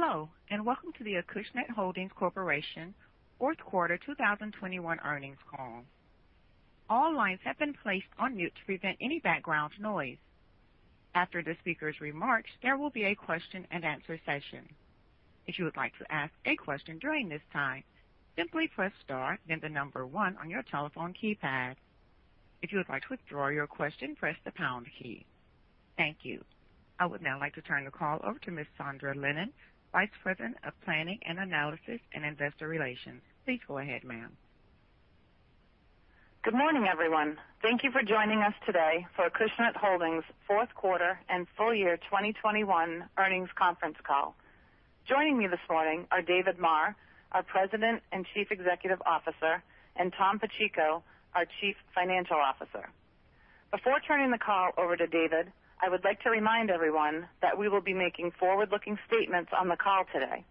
Hello, and welcome to the Acushnet Holdings Corporation. Fourth Quarter 2021 earnings call. All lines have been placed on mute to prevent any background noise. After the speaker's remarks, there will be a question-and-answer session. If you would like to ask a question during this time, simply press star then the number one on your telephone keypad. If you would like to withdraw your question, press the pound key. Thank you. I would now like to turn the call over to Ms. Sondra Lennon, Vice President of Planning and Analysis and Investor Relations. Please go ahead, ma'am. Good morning, everyone. Thank you for joining us today for Acushnet Holdings Fourth Quarter and Full Year 2021 earnings conference call. Joining me this morning are David Maher, our President and Chief Executive Officer, and Tom Pacheco, our Chief Financial Officer. Before turning the call over to David, I would like to remind everyone that we will be making forward-looking statements on the call today.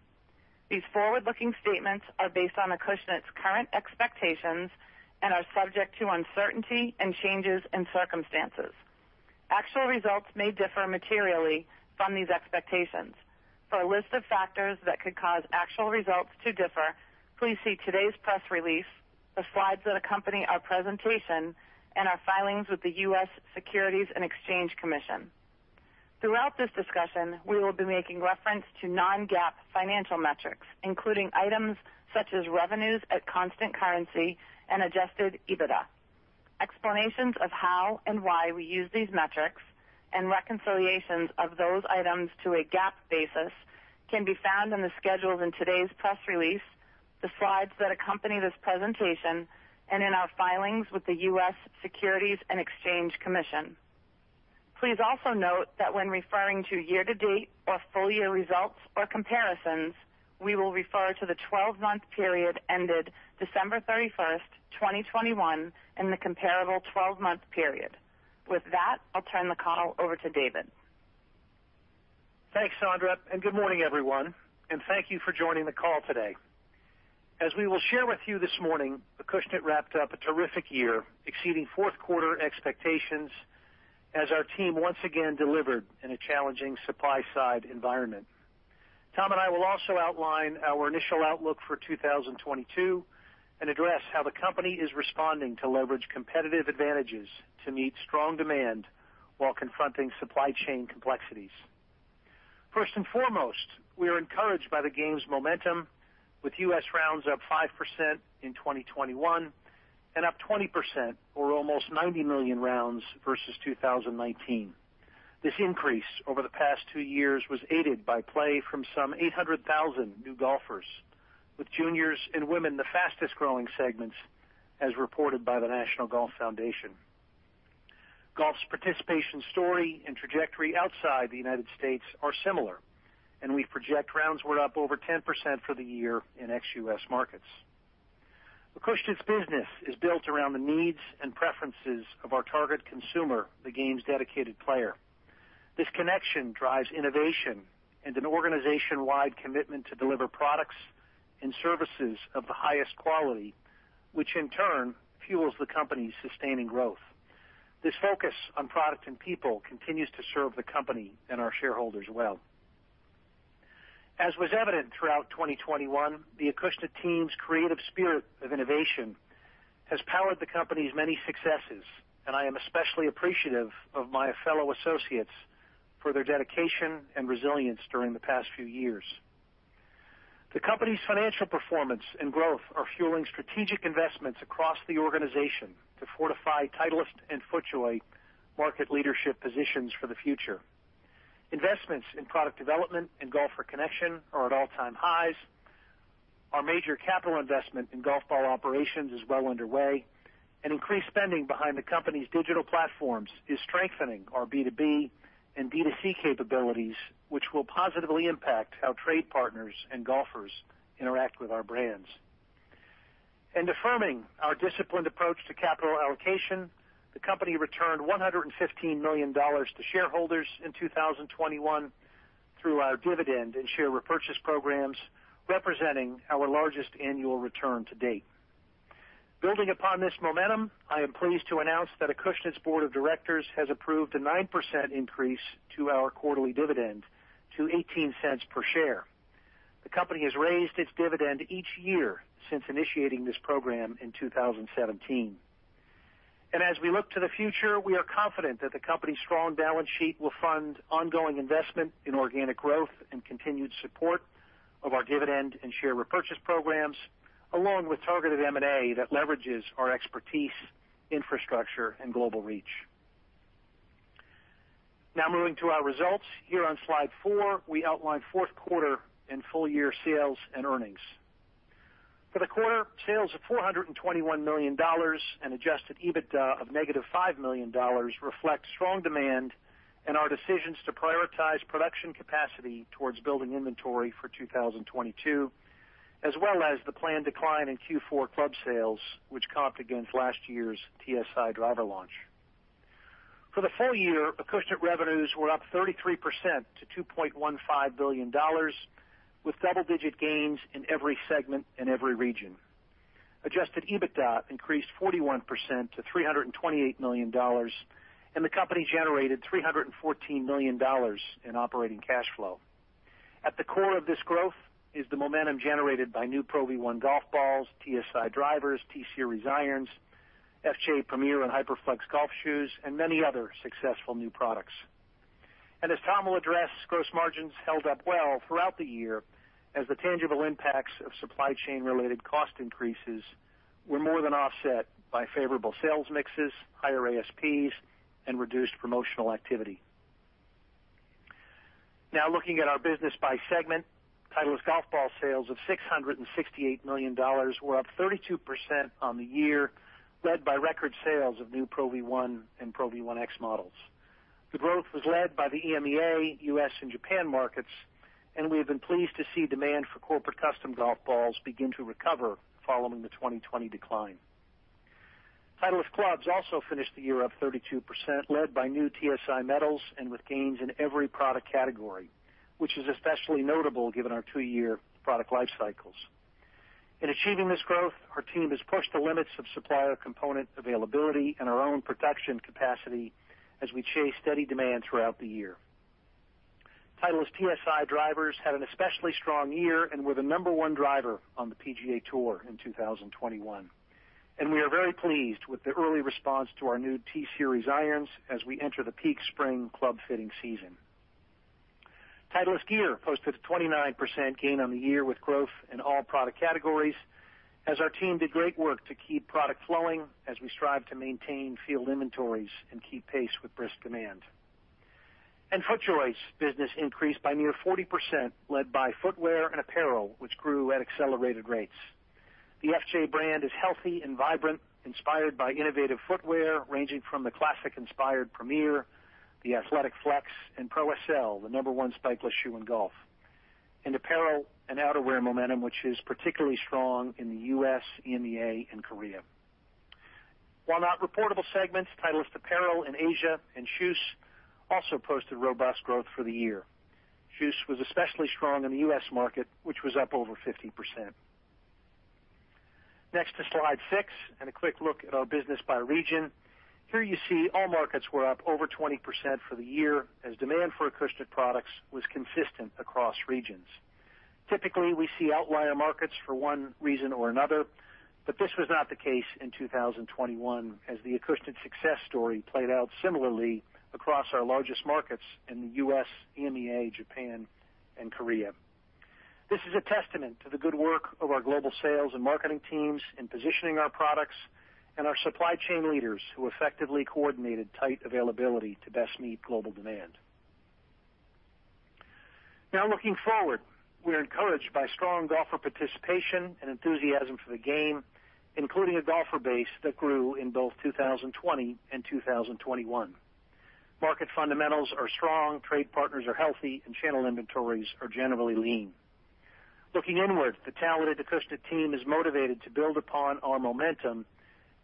These forward-looking statements are based on Acushnet's current expectations and are subject to uncertainty and changes in circumstances. Actual results may differ materially from these expectations. For a list of factors that could cause actual results to differ, please see today's press release, the slides that accompany our presentation, and our filings with the U.S. Securities and Exchange Commission. Throughout this discussion, we will be making reference to non-GAAP financial metrics, including items such as revenues at constant currency and Adjusted EBITDA. Explanations of how and why we use these metrics and reconciliations of those items to a GAAP basis can be found in the schedules in today's press release, the slides that accompany this presentation, and in our filings with the U.S. Securities and Exchange Commission. Please also note that when referring to year-to-date or full year results or comparisons, we will refer to the 12-month period ended December 31st, 2021, and the comparable 12-month period. With that, I'll turn the call over to David. Thanks, Sondra, and good morning, everyone, and thank you for joining the call today. As we will share with you this morning, Acushnet wrapped up a terrific year, exceeding fourth quarter expectations as our team once again delivered in a challenging supply side environment. Tom and I will also outline our initial outlook for 2022 and address how the company is responding to leverage competitive advantages to meet strong demand while confronting supply chain complexities. First and foremost, we are encouraged by the game's momentum with U.S. rounds up 5% in 2021 and up 20% or almost 90 million rounds versus 2019. This increase over the past two years was aided by play from some 800,000 new golfers, with juniors and women the fastest growing segments as reported by the National Golf Foundation. Golf's participation story and trajectory outside the U.S. are similar, and we project rounds were up over 10% for the year in ex-U.S. markets. Acushnet's business is built around the needs and preferences of our target consumer, the game's dedicated player. This connection drives innovation and an organization-wide commitment to deliver products and services of the highest quality, which in turn fuels the company's sustaining growth. This focus on product and people continues to serve the company and our shareholders well. As was evident throughout 2021, the Acushnet team's creative spirit of innovation has powered the company's many successes, and I am especially appreciative of my fellow associates for their dedication and resilience during the past few years. The company's financial performance and growth are fueling strategic investments across the organization to fortify Titleist and FootJoy market leadership positions for the future. Investments in product development and golfer connection are at all-time highs. Our major capital investment in golf ball operations is well underway, and increased spending behind the company's digital platforms is strengthening our B2B and B2C capabilities, which will positively impact how trade partners and golfers interact with our brands. Affirming our disciplined approach to capital allocation, the company returned $115 million to shareholders in 2021 through our dividend and share repurchase programs, representing our largest annual return to date. Building upon this momentum, I am pleased to announce that Acushnet's board of directors has approved a 9% increase to our quarterly dividend to $0.18 per share. The company has raised its dividend each year since initiating this program in 2017. As we look to the future, we are confident that the company's strong balance sheet will fund ongoing investment in organic growth and continued support of our dividend and share repurchase programs, along with targeted M&A that leverages our expertise, infrastructure, and global reach. Now moving to our results. Here on slide four, we outline fourth quarter and full year sales and earnings. For the quarter, sales of $421 million and Adjusted EBITDA of -$5 million reflect strong demand and our decisions to prioritize production capacity towards building inventory for 2022, as well as the planned decline in Q4 club sales, which comp against last year's TSi driver launch. For the full year, Acushnet revenues were up 33% to $2.15 billion, with double-digit gains in every segment and every region. Adjusted EBITDA increased 41% to $328 million, and the company generated $314 million in operating cash flow. At the core of this growth is the momentum generated by new Pro V1 golf balls, TSi drivers, T-Series irons, FJ Premiere and HyperFlex golf shoes, and many other successful new products. As Tom will address, gross margins held up well throughout the year as the tangible impacts of supply chain related cost increases were more than offset by favorable sales mixes, higher ASPs, and reduced promotional activity. Now looking at our business by segment, Titleist golf ball sales of $668 million were up 32% on the year, led by record sales of new Pro V1 and Pro V1x models. The growth was led by the EMEA, U.S., and Japan markets, and we have been pleased to see demand for corporate custom golf balls begin to recover following the 2020 decline. Titleist clubs also finished the year up 32%, led by new TSi metals and with gains in every product category, which is especially notable given our twwo-year product life cycles. In achieving this growth, our team has pushed the limits of supplier component availability and our own production capacity as we chase steady demand throughout the year. Titleist TSi drivers had an especially strong year and were the number one driver on the PGA Tour in 2021. We are very pleased with the early response to our new T-Series irons as we enter the peak spring club fitting season. Titleist gear posted a 29% gain on the year with growth in all product categories as our team did great work to keep product flowing as we strive to maintain field inventories and keep pace with brisk demand. FootJoy's business increased by near 40%, led by footwear and apparel, which grew at accelerated rates. The FJ brand is healthy and vibrant, inspired by innovative footwear, ranging from the classic inspired Premiere, the athletic Flex, and Pro SL, the number one spikeless shoe in golf. Apparel and outerwear momentum, which is particularly strong in the U.S., EMEA, and Korea. While not reportable segments, Titleist apparel in Asia and shoes also posted robust growth for the year. Shoes was especially strong in the U.S. market, which was up over 50%. Next to slide six and a quick look at our business by region. Here you see all markets were up over 20% for the year as demand for Acushnet products was consistent across regions. Typically, we see outlier markets for one reason or another, but this was not the case in 2021 as the Acushnet success story played out similarly across our largest markets in the U.S., EMEA, Japan, and Korea. This is a testament to the good work of our global sales and marketing teams in positioning our products and our supply chain leaders who effectively coordinated tight availability to best meet global demand. Now looking forward, we are encouraged by strong golfer participation and enthusiasm for the game, including a golfer base that grew in both 2020 and 2021. Market fundamentals are strong, trade partners are healthy, and channel inventories are generally lean. Looking inward, the talented Acushnet team is motivated to build upon our momentum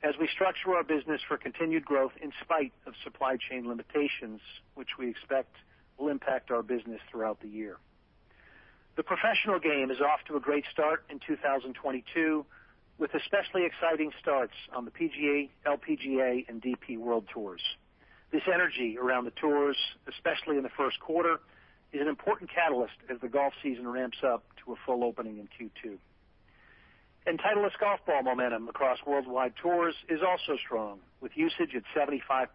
as we structure our business for continued growth in spite of supply chain limitations, which we expect will impact our business throughout the year. The professional game is off to a great start in 2022, with especially exciting starts on the PGA, LPGA, and DP World Tours. This energy around the tours, especially in the first quarter, is an important catalyst as the golf season ramps up to a full opening in Q2. Titleist golf ball momentum across worldwide tours is also strong, with usage at 75%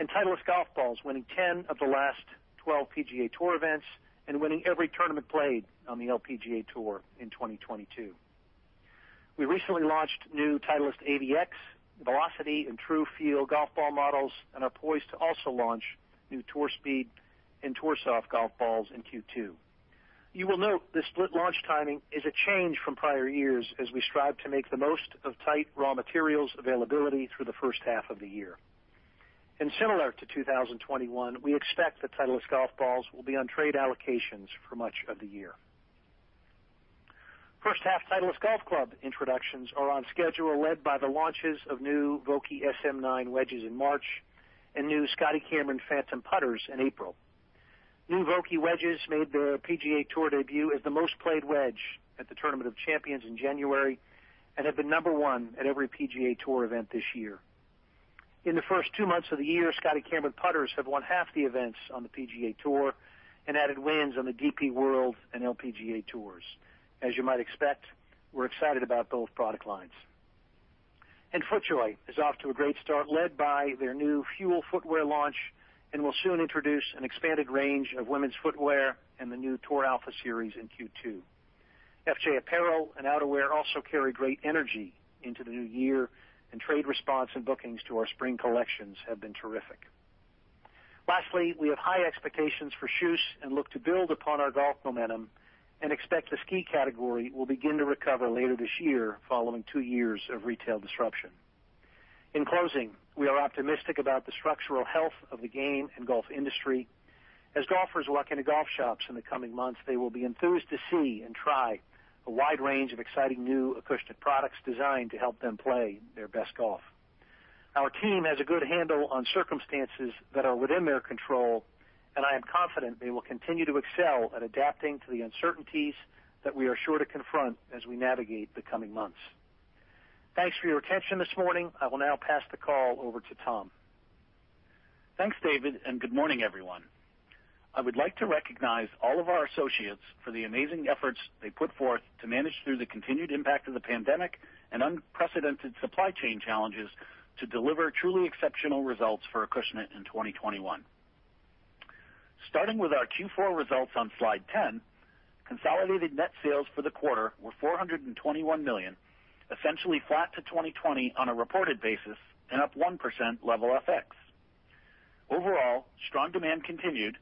and Titleist golf balls winning 10 of the last 12 PGA Tour events and winning every tournament played on the LPGA Tour in 2022. We recently launched new Titleist AVX, Velocity and TruFeel golf ball models and are poised to also launch new Tour Speed and Tour Soft golf balls in Q2. You will note this split launch timing is a change from prior years as we strive to make the most of tight raw materials availability through the first half of the year. Similar to 2021, we expect that Titleist golf balls will be on trade allocations for much of the year. First half Titleist golf club introductions are on schedule, led by the launches of new Vokey SM9 wedges in March and new Scotty Cameron Phantom putters in April. New Vokey wedges made their PGA Tour debut as the most played wedge at the Tournament of Champions in January and have been number one at every PGA Tour event this year. In the first two months of the year, Scotty Cameron putters have won half the events on the PGA Tour and added wins on the DP World and LPGA Tours. As you might expect, we're excited about both product lines. FootJoy is off to a great start, led by their new Fuel footwear launch, and will soon introduce an expanded range of women's footwear and the new Tour Alpha series in Q2. FJ apparel and outerwear also carry great energy into the new year, and trade response and bookings to our spring collections have been terrific. Lastly, we have high expectations for shoes and look to build upon our golf momentum and expect the ski category will begin to recover later this year following two years of retail disruption. In closing, we are optimistic about the structural health of the game and golf industry. As golfers walk into golf shops in the coming months, they will be enthused to see and try a wide range of exciting new Acushnet products designed to help them play their best golf. Our team has a good handle on circumstances that are within their control, and I am confident they will continue to excel at adapting to the uncertainties that we are sure to confront as we navigate the coming months. Thanks for your attention this morning. I will now pass the call over to Tom. Thanks, David, and good morning, everyone. I would like to recognize all of our associates for the amazing efforts they put forth to manage through the continued impact of the pandemic and unprecedented supply chain challenges to deliver truly exceptional results for Acushnet in 2021. Starting with our Q4 results on slide 10, consolidated net sales for the quarter were $421 million, essentially flat to 2020 on a reported basis and up 1% level FX. Overall, strong demand continued,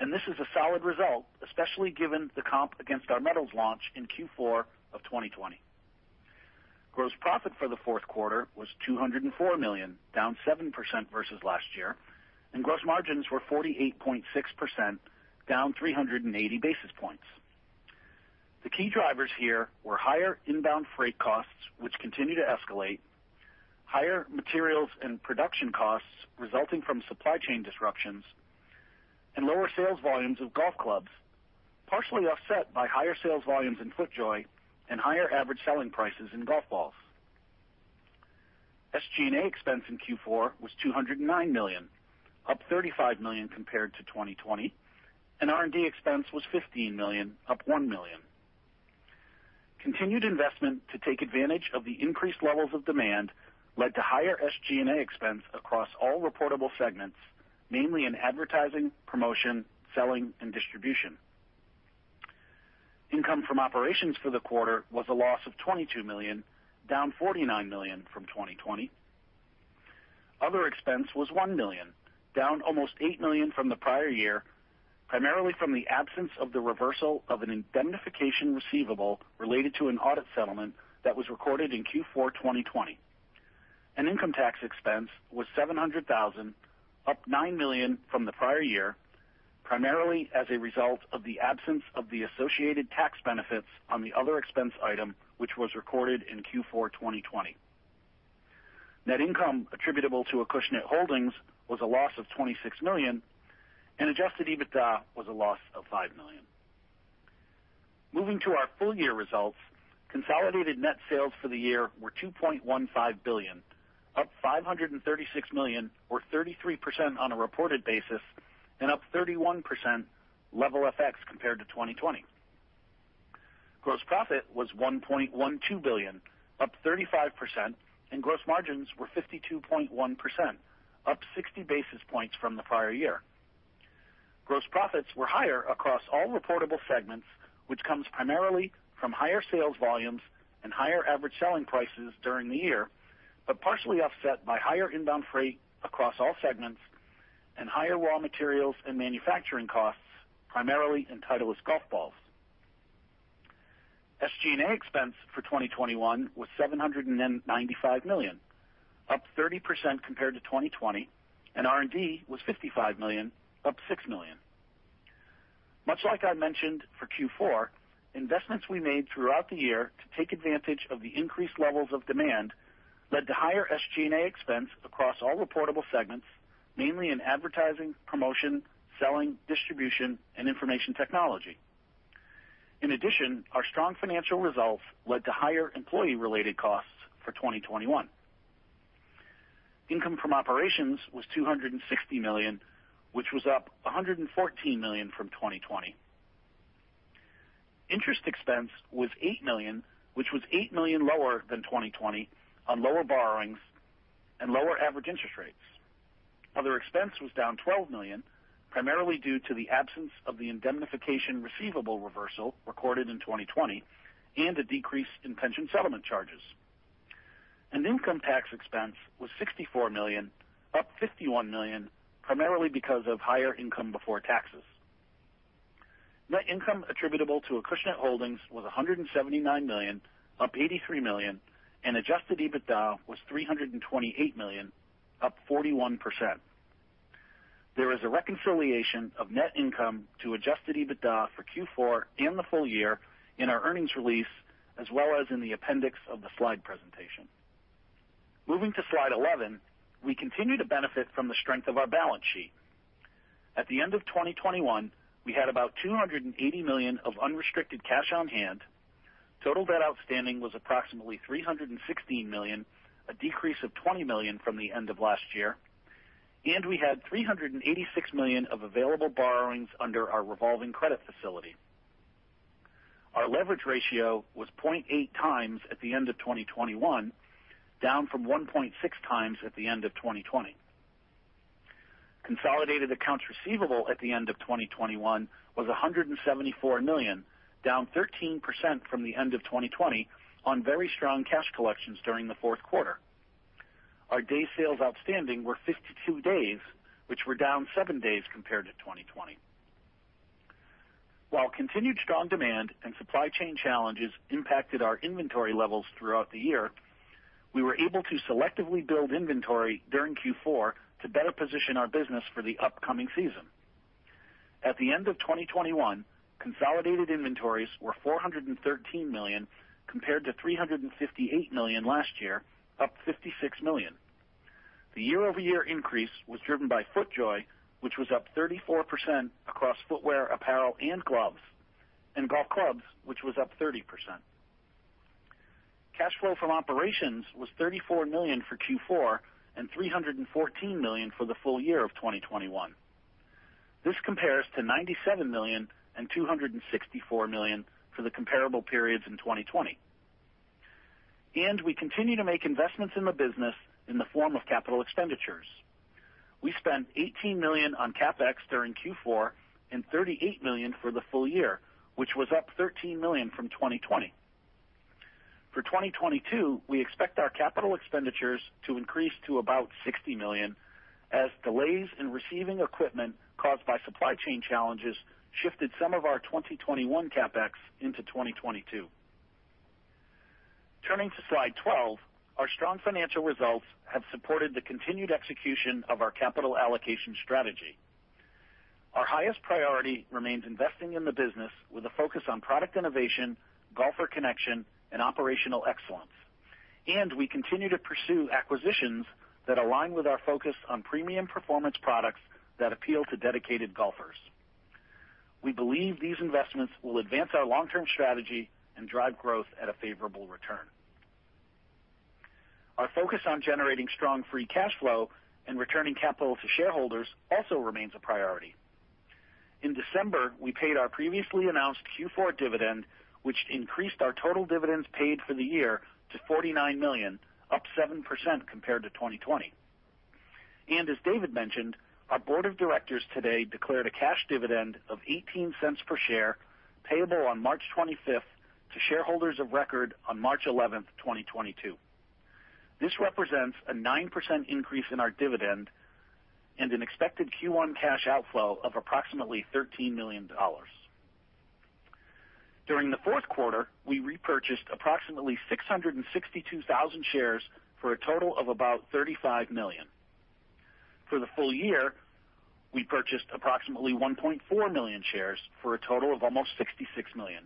and this is a solid result, especially given the comp against our metals launch in Q4 of 2020. Gross profit for the fourth quarter was $204 million, down 7% versus last year, and gross margins were 48.6%, down 380 basis points. The key drivers here were higher inbound freight costs, which continue to escalate, higher materials and production costs resulting from supply chain disruptions, and lower sales volumes of golf clubs, partially offset by higher sales volumes in FootJoy and higher average selling prices in golf balls. SG&A expense in Q4 was $209 million, up $35 million compared to 2020, and R&D expense was $15 million, up $1 million. Continued investment to take advantage of the increased levels of demand led to higher SG&A expense across all reportable segments, mainly in advertising, promotion, selling, and distribution. Income from operations for the quarter was a loss of $22 million, down $49 million from 2020. Other expense was $1 million, down almost $8 million from the prior year, primarily from the absence of the reversal of an indemnification receivable related to an audit settlement that was recorded in Q4 2020. Income tax expense was $700,000, up $9 million from the prior year, primarily as a result of the absence of the associated tax benefits on the other expense item, which was recorded in Q4 2020. Net income attributable to Acushnet Holdings was a loss of $26 million, and Adjusted EBITDA was a loss of $5 million. Moving to our full year results, consolidated net sales for the year were $2.15 billion, up $536 million or 33% on a reported basis and up 31% level FX compared to 2020. Gross profit was $1.12 billion, up 35%, and gross margins were 52.1%, up 60 basis points from the prior year. Gross profits were higher across all reportable segments, which comes primarily from higher sales volumes and higher average selling prices during the year, but partially offset by higher inbound freight across all segments and higher raw materials and manufacturing costs, primarily in Titleist golf balls. SG&A expense for 2021 was $795 million, up 30% compared to 2020, and R&D was $55 million, up $6 million. Much like I mentioned for Q4, investments we made throughout the year to take advantage of the increased levels of demand led to higher SG&A expense across all reportable segments, mainly in advertising, promotion, selling, distribution, and information technology. In addition, our strong financial results led to higher employee-related costs for 2021. Income from operations was $260 million, which was up $114 million from 2020. Interest expense was $8 million, which was $8 million lower than 2020 on lower borrowings and lower average interest rates. Other expense was down $12 million, primarily due to the absence of the indemnification receivable reversal recorded in 2020 and a decrease in pension settlement charges. Income tax expense was $64 million, up $51 million, primarily because of higher income before taxes. Net income attributable to Acushnet Holdings was $179 million, up $83 million, and Adjusted EBITDA was $328 million, up 41%. There is a reconciliation of net income to Adjusted EBITDA for Q4 and the full year in our earnings release, as well as in the appendix of the slide presentation. Moving to slide 11, we continue to benefit from the strength of our balance sheet. At the end of 2021, we had about $280 million of unrestricted cash on hand. Total debt outstanding was approximately $316 million, a decrease of $20 million from the end of last year. We had $386 million of available borrowings under our revolving credit facility. Our leverage ratio was 0.8x at the end of 2021, down from 1.6x at the end of 2020. Consolidated accounts receivable at the end of 2021 was $174 million, down 13% from the end of 2020 on very strong cash collections during the fourth quarter. Our day sales outstanding were 52 days, which were down seven days compared to 2020. While continued strong demand and supply chain challenges impacted our inventory levels throughout the year, we were able to selectively build inventory during Q4 to better position our business for the upcoming season. At the end of 2021, consolidated inventories were $413 million compared to $358 million last year, up $56 million. The year-over-year increase was driven by FootJoy, which was up 34% across footwear, apparel, and gloves, and golf clubs, which was up 30%. Cash flow from operations was $34 million for Q4 and $314 million for the full year of 2021. This compares to $97 million and $264 million for the comparable periods in 2020. We continue to make investments in the business in the form of capital expenditures. We spent $18 million on CapEx during Q4 and $38 million for the full year, which was up $13 million from 2020. For 2022, we expect our capital expenditures to increase to about $60 million as delays in receiving equipment caused by supply chain challenges shifted some of our 2021 CapEx into 2022. Turning to slide 12, our strong financial results have supported the continued execution of our capital allocation strategy. Our highest priority remains investing in the business with a focus on product innovation, golfer connection, and operational excellence. We continue to pursue acquisitions that align with our focus on premium performance products that appeal to dedicated golfers. We believe these investments will advance our long-term strategy and drive growth at a favorable return. Our focus on generating strong free cash flow and returning capital to shareholders also remains a priority. In December, we paid our previously announced Q4 dividend, which increased our total dividends paid for the year to $49 million, up 7% compared to 2020. As David mentioned, our board of directors today declared a cash dividend of $0.18 per share payable on March 25th to shareholders of record on March 11th, 2022. This represents a 9% increase in our dividend and an expected Q1 cash outflow of approximately $13 million. During the fourth quarter, we repurchased approximately 662,000 shares for a total of about $35 million. For the full year, we purchased approximately 1.4 million shares for a total of almost $66 million,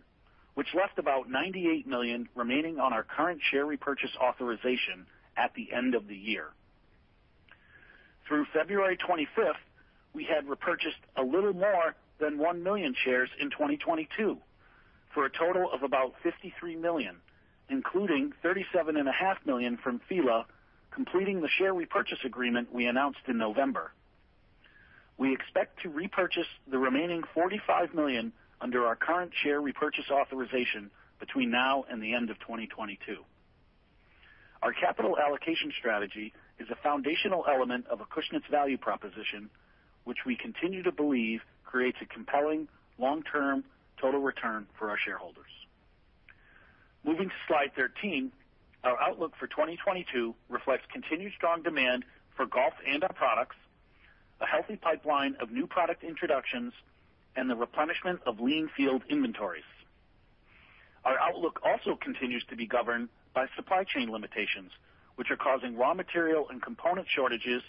which left about $98 million remaining on our current share repurchase authorization at the end of the year. Through February 25th, we had repurchased a little more than 1 million shares in 2022 for a total of about $53 million, including $37.5 million from Fila, completing the share repurchase agreement we announced in November. We expect to repurchase the remaining $45 million under our current share repurchase authorization between now and the end of 2022. Our capital allocation strategy is a foundational element of Acushnet's value proposition, which we continue to believe creates a compelling long-term total return for our shareholders. Moving to slide 13, our outlook for 2022 reflects continued strong demand for golf and our products, a healthy pipeline of new product introductions, and the replenishment of lean field inventories. Our outlook also continues to be governed by supply chain limitations, which are causing raw material and component shortages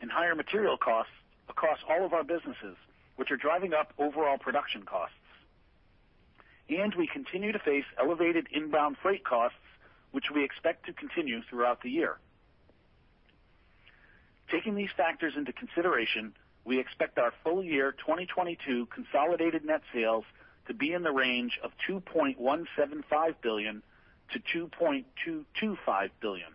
and higher material costs across all of our businesses, which are driving up overall production costs. We continue to face elevated inbound freight costs, which we expect to continue throughout the year. Taking these factors into consideration, we expect our full year 2022 consolidated net sales to be in the range of $2.175 billion-$2.225 billion.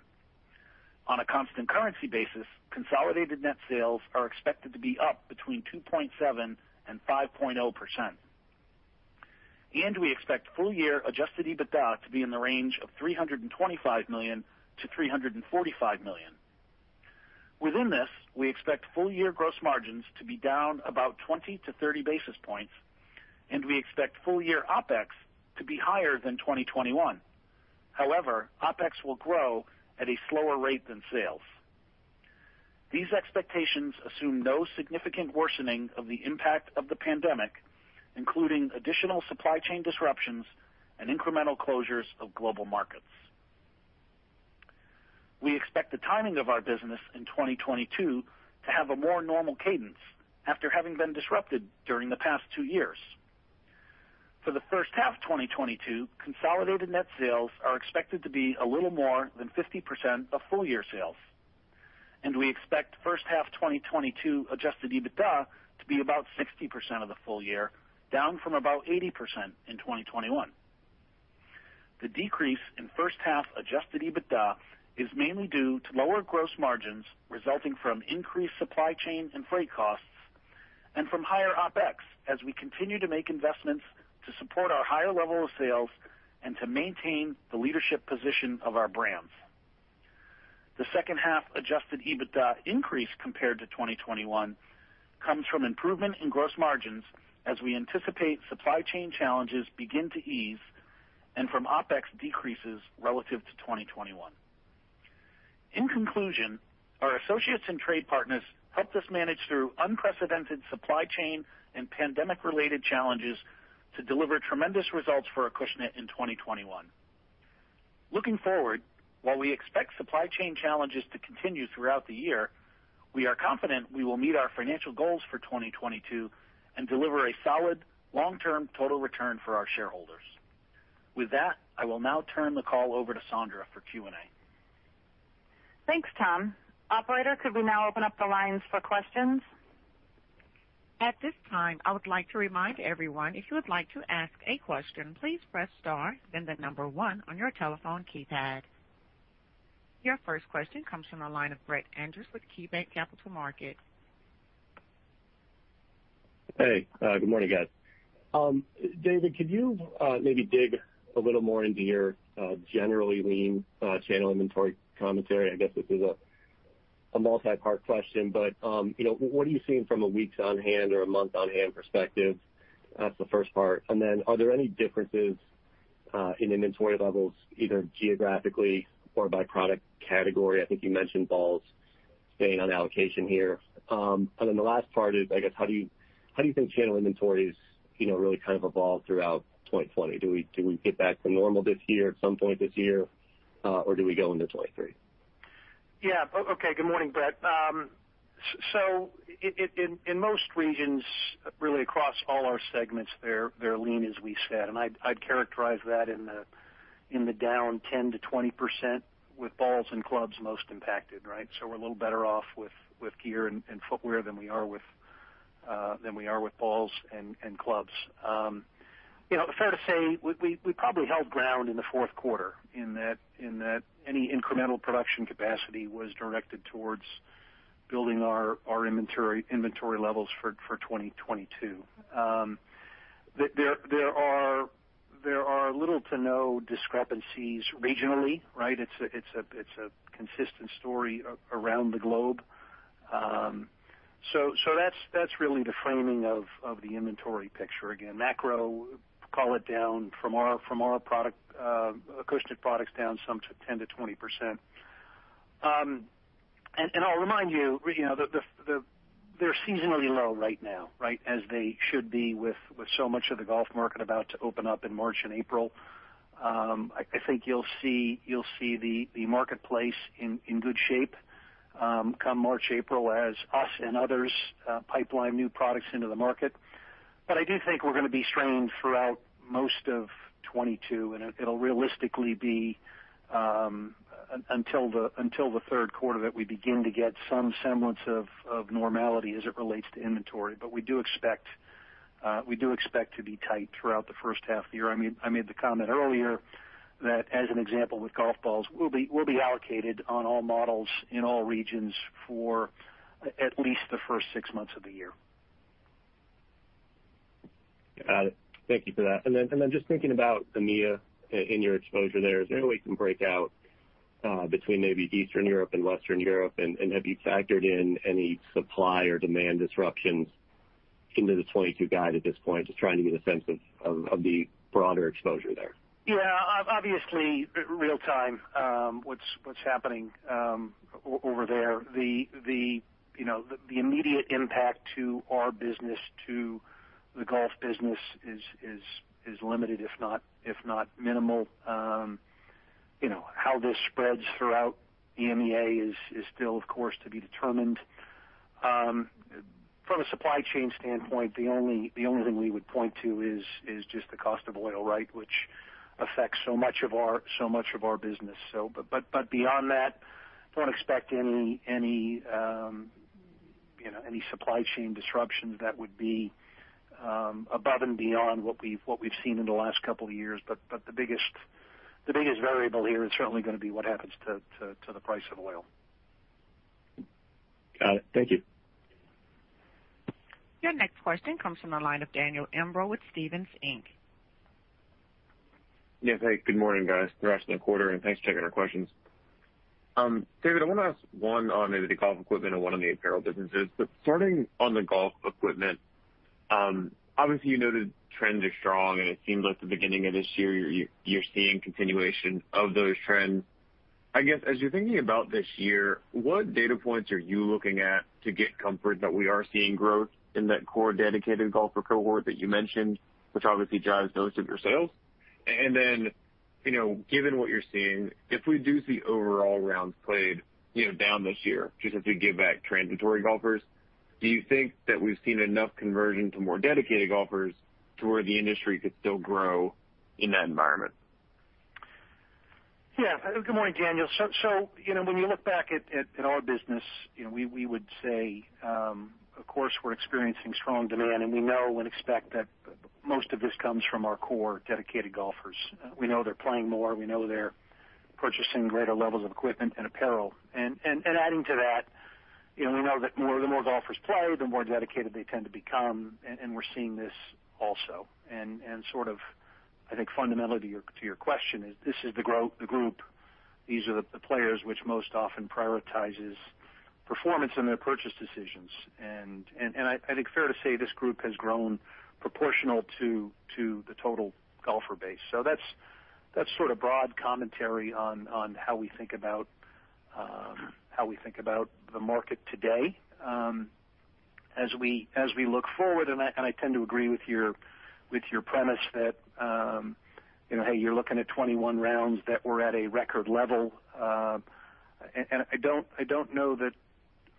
On a constant currency basis, consolidated net sales are expected to be up between 2.7% and 5.0%. We expect full year Adjusted EBITDA to be in the range of $325 million-$345 million. Within this, we expect full year gross margins to be down about 20-30 basis points, and we expect full year OpEx to be higher than 2021. However, OpEx will grow at a slower rate than sales. These expectations assume no significant worsening of the impact of the pandemic, including additional supply chain disruptions and incremental closures of global markets. We expect the timing of our business in 2022 to have a more normal cadence after having been disrupted during the past two years. For the first half 2022, consolidated net sales are expected to be a little more than 50% of full year sales, and we expect first half 2022 Adjusted EBITDA to be about 60% of the full year, down from about 80% in 2021. The decrease in first half Adjusted EBITDA is mainly due to lower gross margins resulting from increased supply chain and freight costs and from higher OpEx as we continue to make investments to support our higher level of sales and to maintain the leadership position of our brands. The second half Adjusted EBITDA increase compared to 2021 comes from improvement in gross margins as we anticipate supply chain challenges begin to ease and from OpEx decreases relative to 2021. In conclusion, our associates and trade partners helped us manage through unprecedented supply chain and pandemic related challenges to deliver tremendous results for Acushnet in 2021. Looking forward, while we expect supply chain challenges to continue throughout the year, we are confident we will meet our financial goals for 2022 and deliver a solid long-term total return for our shareholders. With that, I will now turn the call over to Sondra for Q&A. Thanks, Tom. Operator, could we now open up the lines for questions? At this time, I would like to remind everyone, if you would like to ask a question, please press star, then one on your telephone keypad. Your first question comes from the line of Brett Andress with KeyBanc Capital Markets. Hey, good morning, guys. David, could you maybe dig a little more into your generally lean channel inventory commentary? I guess this is a multi-part question, but you know, what are you seeing from a weeks on hand or a month on hand perspective? That's the first part. Are there any differences in inventory levels, either geographically or by product category? I think you mentioned balls staying on allocation here. The last part is, I guess, how do you think channel inventories you know really kind of evolve throughout 2020? Do we get back to normal this year at some point this year, or do we go into 2023? Yeah. Okay. Good morning, Brett. In most regions, really across all our segments, they're lean, as we said, and I'd characterize that in the down 10%-20% with balls and clubs most impacted, right? We're a little better off with gear and footwear than we are with balls and clubs. You know, fair to say, we probably held ground in the fourth quarter in that any incremental production capacity was directed towards building our inventory levels for 2022. There are little to no discrepancies regionally, right? It's a consistent story around the globe. That's really the framing of the inventory picture. Again, macro, call it down from our Acushnet products down some 10%-20%. I'll remind you know, They're seasonally low right now, right, as they should be with so much of the golf market about to open up in March and April. I think you'll see the marketplace in good shape come March, April, as us and others pipeline new products into the market. I do think we're gonna be strained throughout most of 2022, and it'll realistically be until the third quarter that we begin to get some semblance of normality as it relates to inventory. We do expect to be tight throughout the first half of the year. I mean, I made the comment earlier that, as an example with golf balls, we'll be allocated on all models in all regions for at least the first six months of the year. Got it. Thank you for that. Just thinking about EMEA and your exposure there, is there a way you can break out between maybe Eastern Europe and Western Europe? Have you factored in any supply or demand disruptions into the 2022 guide at this point? Just trying to get a sense of the broader exposure there. Yeah. Obviously, in real time, what's happening over there, the immediate impact to our business, to the golf business is limited, if not minimal. You know, how this spreads throughout EMEA is still, of course, to be determined. From a supply chain standpoint, the only thing we would point to is just the cost of oil, right, which affects so much of our business. Beyond that, don't expect any, you know, supply chain disruptions that would be above and beyond what we've seen in the last couple of years. The biggest variable here is certainly gonna be what happens to the price of oil. Got it. Thank you. Your next question comes from the line of Daniel Imbro with Stephens Inc. Yeah. Hey, good morning, guys. Congratulations on the quarter, and thanks for taking our questions. David, I wanna ask one on maybe the golf equipment and one on the apparel businesses. Starting on the golf equipment, obviously, you know the trends are strong, and it seems like the beginning of this year, you're seeing continuation of those trends. I guess, as you're thinking about this year, what data points are you looking at to get comfort that we are seeing growth in that core dedicated golfer cohort that you mentioned, which obviously drives most of your sales? You know, given what you're seeing, if we do see overall rounds played, you know, down this year, just as we give back transitory golfers, do you think that we've seen enough conversion to more dedicated golfers to where the industry could still grow in that environment? Yeah. Good morning, Daniel. You know, when you look back at our business, you know, we would say, of course, we're experiencing strong demand, and we know and expect that most of this comes from our core dedicated golfers. We know they're playing more, we know they're purchasing greater levels of equipment and apparel. Adding to that, you know, we know that the more golfers play, the more dedicated they tend to become, and we're seeing this also. Sort of, I think, fundamental to your question is this is the group, these are the players which most often prioritizes performance in their purchase decisions. I think fair to say this group has grown proportional to the total golfer base. That's sort of broad commentary on how we think about the market today. As we look forward, I tend to agree with your premise that, you know, hey, you're looking at 21 rounds that were at a record level. I don't know that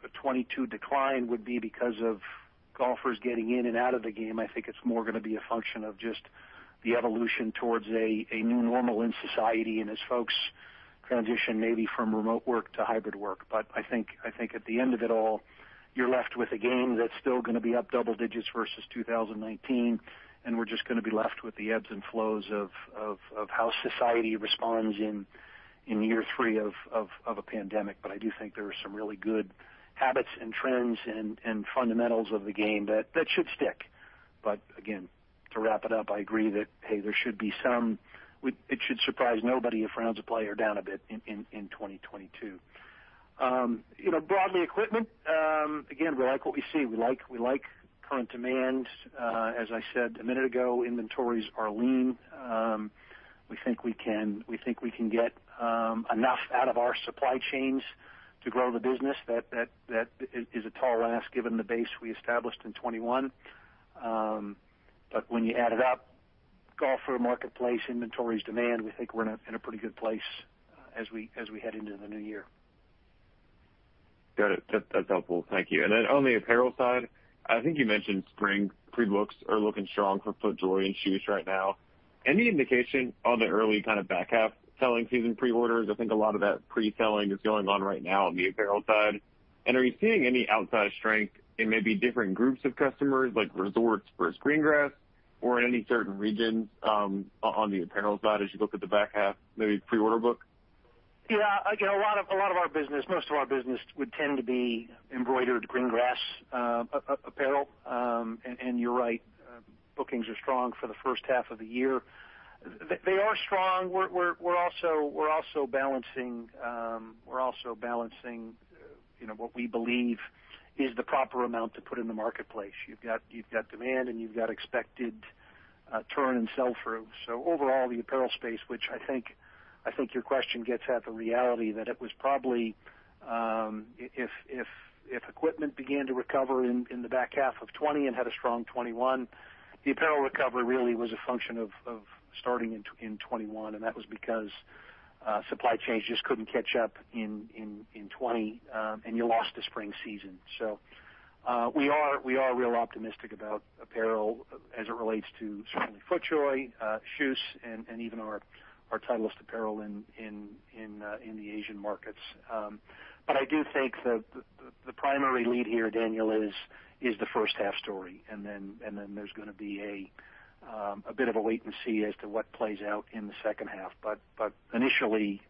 a 22 decline would be because of golfers getting in and out of the game. I think it's more gonna be a function of just the evolution towards a new normal in society and as folks transition maybe from remote work to hybrid work. I think at the end of it all, you're left with a game that's still gonna be up double digits versus 2019, and we're just gonna be left with the ebbs and flows of how society responds in year three of a pandemic. I do think there are some really good habits and trends and fundamentals of the game that should stick. Again, to wrap it up, I agree that, hey, there should be some. It should surprise nobody if rounds of play are down a bit in 2022. You know, broadly equipment, again, we like what we see. We like current demand. As I said a minute ago, inventories are lean. We think we can get enough out of our supply chains to grow the business. That is a tall ask given the base we established in 2021. When you add it up, golfer marketplace, inventories, demand, we think we're in a pretty good place as we head into the new year. Got it. That's helpful. Thank you. Then on the apparel side, I think you mentioned spring pre-books are looking strong for FootJoy and shoes right now. Any indication on the early kind of back half selling season preorders? I think a lot of that pre-selling is going on right now on the apparel side. Are you seeing any outsized strength in maybe different groups of customers, like resorts versus green grass or in any certain regions, on the apparel side as you look at the back half, maybe pre-order book? Yeah. Again, a lot of our business, most of our business would tend to be embroidered green grass apparel. You're right, bookings are strong for the first half of the year. They are strong. We're also balancing, you know, what we believe is the proper amount to put in the marketplace. You've got demand and you've got expected turn and sell through. Overall, the apparel space, which I think your question gets at the reality that it was probably if equipment began to recover in the back half of 2020 and had a strong 2021, the apparel recovery really was a function of starting in 2021, and that was because supply chains just couldn't catch up in 2020, and you lost the spring season. We are real optimistic about apparel as it relates to certainly FootJoy shoes, and even our Titleist apparel in the Asian markets. I do think the primary lead here, Daniel, is the first half story, and then there's gonna be a bit of a wait and see as to what plays out in the second half. Initially,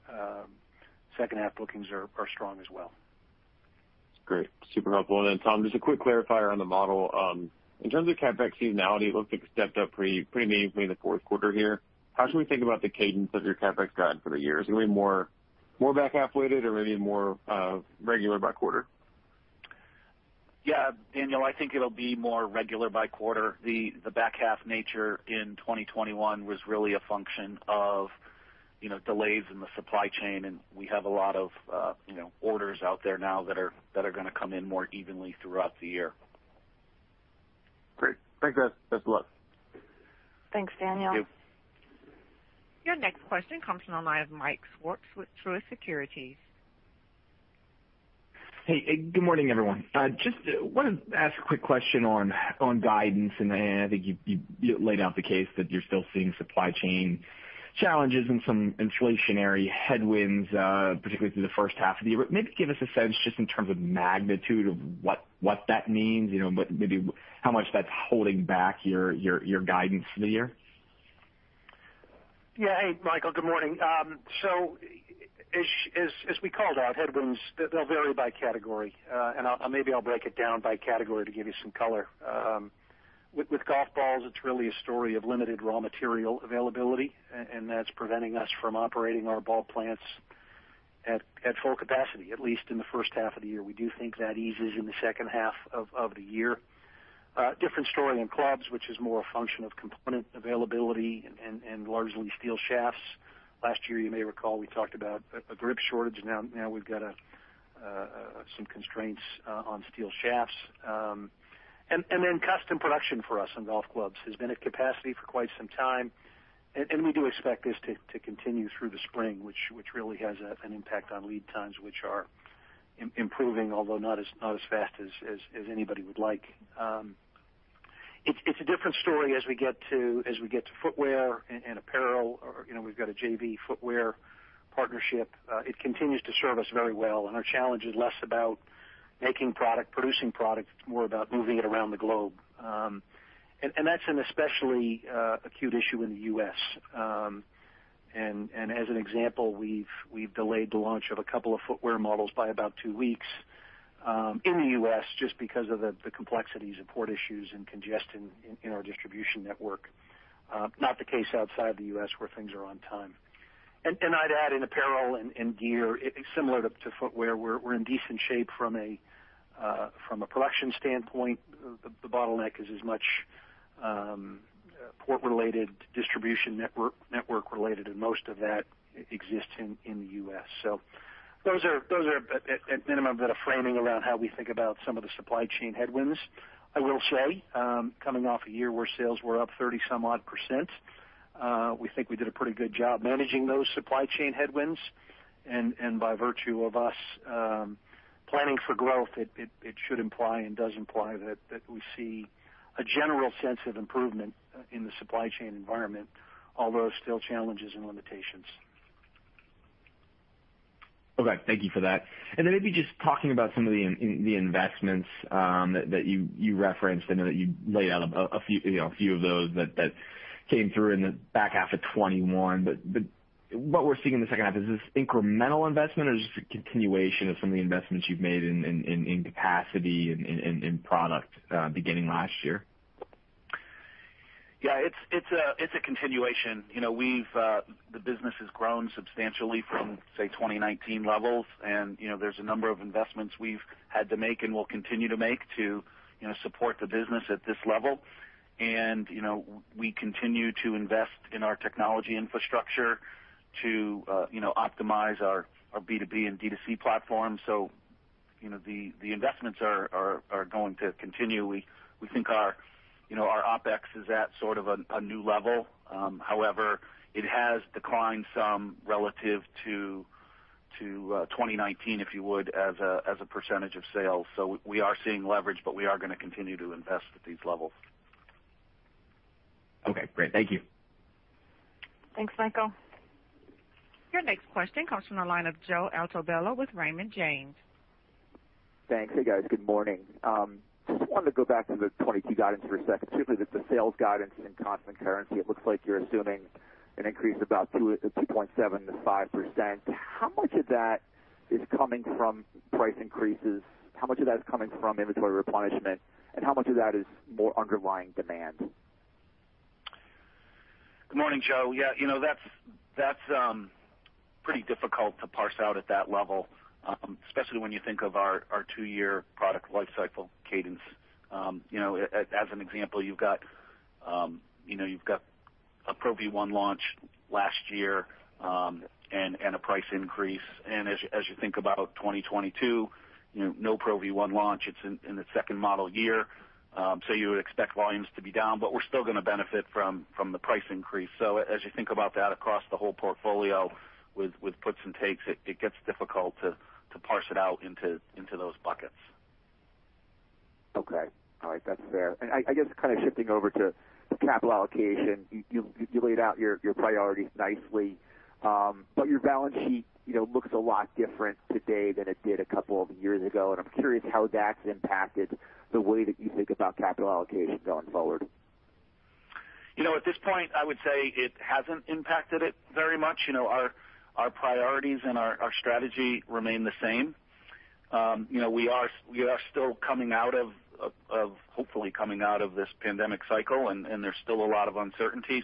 second half bookings are strong as well. Great. Super helpful. Then, Tom, just a quick clarifier on the model. In terms of CapEx seasonality, it looks like it stepped up pretty meaningfully in the fourth quarter here. How should we think about the cadence of your CapEx guide for the year? Is it gonna be more back half weighted or maybe more regular by quarter? Yeah. Daniel, I think it'll be more regular by quarter. The back half nature in 2021 was really a function of, you know, delays in the supply chain, and we have a lot of, you know, orders out there now that are gonna come in more evenly throughout the year. Great. Thanks, guys. Best of luck. Thanks, Daniel. Thank you. Your next question comes from the line of Michael Swartz with Truist Securities. Hey, good morning, everyone. Just wanted to ask a quick question on guidance, and I think you laid out the case that you're still seeing supply chain challenges and some inflationary headwinds, particularly through the first half of the year. Maybe give us a sense just in terms of magnitude of what that means, you know, maybe how much that's holding back your guidance for the year? Yeah. Hey, Michael. Good morning. So as we called out, headwinds they'll vary by category. And I'll maybe I'll break it down by category to give you some color. With golf balls, it's really a story of limited raw material availability, and that's preventing us from operating our ball plants at full capacity, at least in the first half of the year. We do think that eases in the second half of the year. Different story on clubs, which is more a function of component availability and largely steel shafts. Last year, you may recall we talked about a grip shortage. Now we've got some constraints on steel shafts. Custom production for us in golf clubs has been at capacity for quite some time. We do expect this to continue through the spring, which really has an impact on lead times, which are improving, although not as fast as anybody would like. It's a different story as we get to footwear and apparel, you know, we've got a JV footwear partnership. It continues to serve us very well, and our challenge is less about making product, producing product. It's more about moving it around the globe. That's an especially acute issue in the U.S. As an example, we've delayed the launch of a couple of footwear models by about two weeks in the U.S. just because of the complexities of port issues and congestion in our distribution network. Not the case outside the U.S., where things are on time. I'd add in apparel and gear, it's similar to footwear. We're in decent shape from a production standpoint. The bottleneck is as much port-related distribution network-related, and most of that exists in the U.S. Those are at minimum a bit of framing around how we think about some of the supply chain headwinds. I will say, coming off a year where sales were up 30-some-odd%, we think we did a pretty good job managing those supply chain headwinds. By virtue of us planning for growth, it should imply and does imply that we see a general sense of improvement in the supply chain environment, although still challenges and limitations. Okay. Thank you for that. Then maybe just talking about some of the in the investments that you referenced. I know that you laid out a few, you know, a few of those that came through in the back half of 2021. What we're seeing in the second half is this incremental investment, or is this a continuation of some of the investments you've made in capacity and product beginning last year? Yeah, it's a continuation. You know, the business has grown substantially from, say, 2019 levels. You know, there's a number of investments we've had to make and will continue to make to, you know, support the business at this level. You know, we continue to invest in our technology infrastructure to, you know, optimize our B2B and D2C platforms. You know, the investments are going to continue. We think our you know our OpEx is at sort of a new level. However, it has declined some relative to 2019, if you would, as a percentage of sales. We are seeing leverage, but we are gonna continue to invest at these levels. Okay, great. Thank you. Thanks, Michael. Your next question comes from the line of Joe Altobello with Raymond James. Thanks. Hey, guys. Good morning. Just wanted to go back to the 2022 guidance for a second. Specifically the sales guidance in constant currency. It looks like you're assuming an increase of about 2.7%-5%. How much of that is coming from price increases? How much of that is coming from inventory replenishment? And how much of that is more underlying demand? Good morning, Joe. Yeah, you know, that's pretty difficult to parse out at that level, especially when you think of our two-year product life cycle cadence. You know, as an example, you've got a Pro V1 launch last year, and a price increase. As you think about 2022, you know, no Pro V1 launch, it's in its second model year, so you would expect volumes to be down. We're still gonna benefit from the price increase. As you think about that across the whole portfolio with puts and takes, it gets difficult to parse it out into those buckets. Okay. All right. That's fair. I guess kind of shifting over to capital allocation. You laid out your priorities nicely. But your balance sheet, you know, looks a lot different today than it did a couple of years ago. I'm curious how that's impacted the way that you think about capital allocation going forward. You know, at this point, I would say it hasn't impacted it very much. You know, our priorities and our strategy remain the same. You know, we are still coming out of hopefully coming out of this pandemic cycle, and there's still a lot of uncertainty.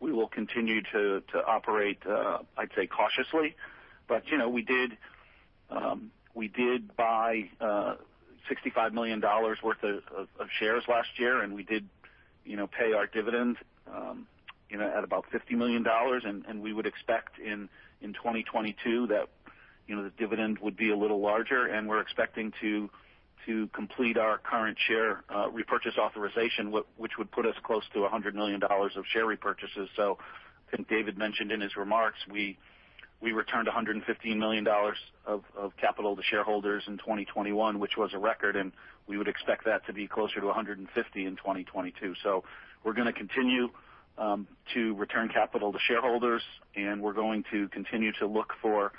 We will continue to operate, I'd say cautiously. You know, we did buy $65 million worth of shares last year, and we did pay our dividend, you know, at about $50 million. We would expect in 2022 that the dividend would be a little larger. We're expecting to complete our current share repurchase authorization, which would put us close to $100 million of share repurchases. I think David mentioned in his remarks, we returned $115 million of capital to shareholders in 2021, which was a record, and we would expect that to be closer to $150 million in 2022. We're gonna continue to return capital to shareholders, and we're going to continue to look for,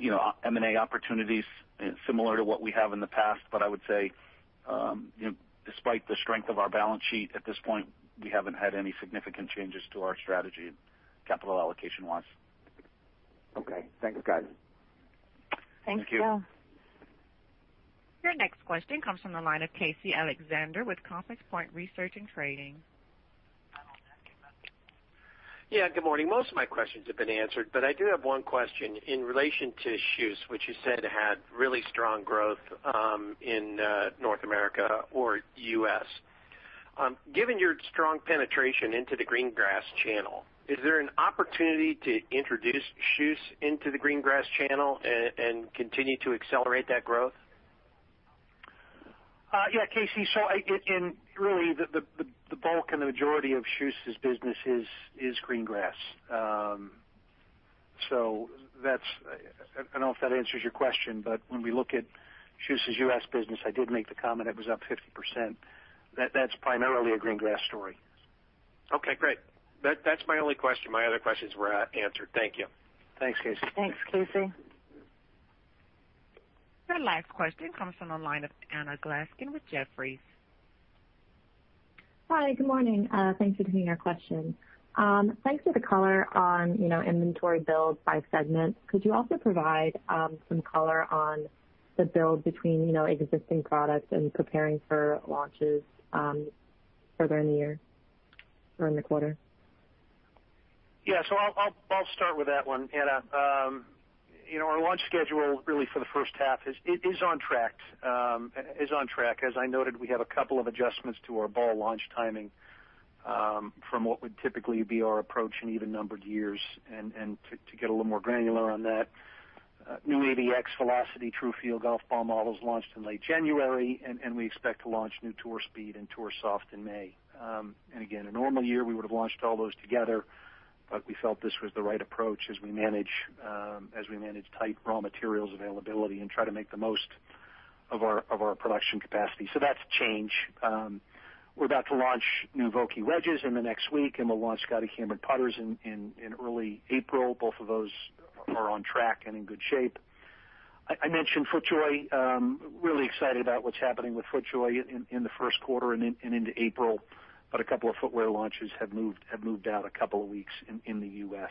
you know, M&A opportunities similar to what we have in the past. I would say, you know, despite the strength of our balance sheet at this point, we haven't had any significant changes to our strategy capital allocation-wise. Okay. Thanks, guys. Thanks, Joe. Thank you. Your next question comes from the line of Casey Alexander with Compass Point Research & Trading. Yeah, good morning. Most of my questions have been answered, but I do have one question. In relation to shoes, which you said had really strong growth in North America or U.S. Given your strong penetration into the green grass channel, is there an opportunity to introduce shoes into the green grass channel and continue to accelerate that growth? Yeah, Casey. Really, the bulk and the majority of shoes' business is green grass. That's. I don't know if that answers your question, but when we look at shoes as U.S. business, I did make the comment it was up 50%. That's primarily a green grass story. Okay, great. That's my only question. My other questions were answered. Thank you. Thanks, Casey. Thanks, Casey. Your last question comes from the line of Anna Glaessgen with Jefferies. Hi, good morning. Thank you for taking our question. Thanks for the color on, you know, inventory build by segment. Could you also provide some color on the build between, you know, existing products and preparing for launches further in the year or in the quarter? Yeah. I'll start with that one, Anna. You know, our launch schedule really for the first half is on track. As I noted, we have a couple of adjustments to our ball launch timing from what would typically be our approach in even numbered years. To get a little more granular on that, new AVX Velocity TruFeel golf ball models launched in late January, and we expect to launch new Tour Speed and Tour Soft in May. Again, a normal year, we would have launched all those together, but we felt this was the right approach as we manage tight raw materials availability and try to make the most of our production capacity. That's change. We're about to launch new Vokey wedges in the next week, and we'll launch Scotty Cameron putters in early April. Both of those are on track and in good shape. I mentioned FootJoy, really excited about what's happening with FootJoy in the first quarter and into April. A couple of footwear launches have moved out a couple of weeks in the U.S.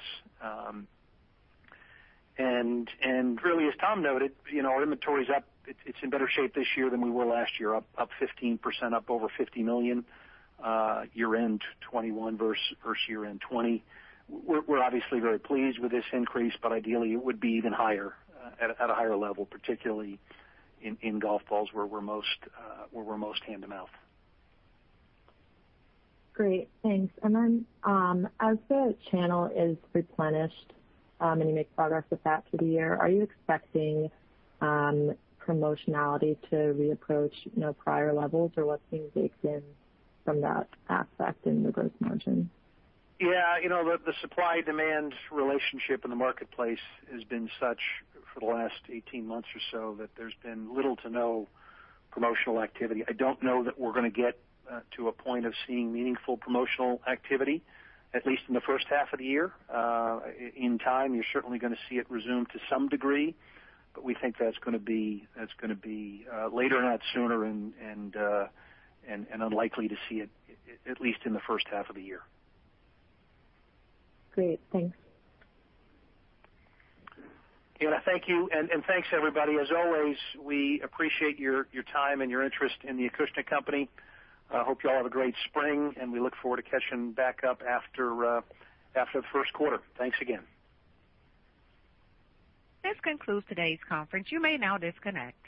Really, as Tom noted, you know, our inventory is up. It's in better shape this year than we were last year, up 15%, up over $50 million, year-end 2021 versus year-end 2020. We're obviously very pleased with this increase, but ideally, it would be even higher, at a higher level, particularly in golf balls, where we're most hand-to-mouth. Great. Thanks. Then, as the channel is replenished, and you make progress with that through the year, are you expecting, promotionality to reapproach, you know, prior levels? Or what's being baked in from that aspect in the gross margin? Yeah. You know, the supply-demand relationship in the marketplace has been such for the last 18 months or so that there's been little to no promotional activity. I don't know that we're gonna get to a point of seeing meaningful promotional activity, at least in the first half of the year. In time, you're certainly gonna see it resume to some degree, but we think that's gonna be later, not sooner, and unlikely to see it, at least in the first half of the year. Great. Thanks. Anna, thank you, and thanks, everybody. As always, we appreciate your time and your interest in the Acushnet Company. Hope you all have a great spring, and we look forward to catching back up after the first quarter. Thanks again. This concludes today's conference. You may now disconnect.